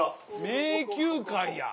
名球会や！